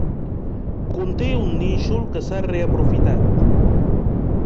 Conté un nínxol que s'ha reaprofitat.